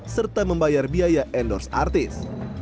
serta membayar biaya endorse artis